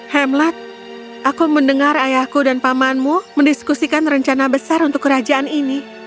hamlat aku mendengar ayahku dan pamanmu mendiskusikan rencana besar untuk kerajaan ini